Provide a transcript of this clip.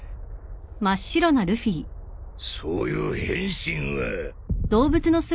そういう変身は。